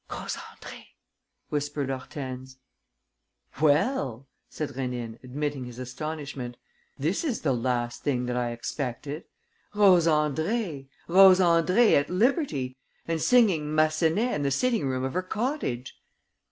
"Rose Andrée!" whispered Hortense. "Well!" said Rénine, admitting his astonishment. "This is the last thing that I expected! Rose Andrée! Rose Andrée at liberty! And singing Massenet in the sitting room of her cottage!"